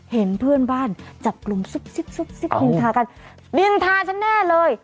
เห็นเพื่อนบ้านจับกลุ่มซุบซิบซิบนินทากันนินทาฉันแน่เลย